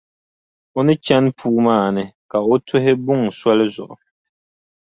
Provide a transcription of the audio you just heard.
O ni chani puu maa ni, ka o tuhi buŋa soli zuɣu.